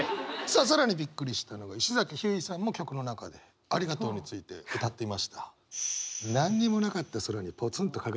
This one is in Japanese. さあ更にびっくりしたのが石崎ひゅーいさんも曲の中で「ありがとう」について歌っていました。